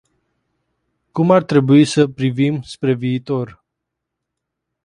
Cum ar trebui să privim spre viitor?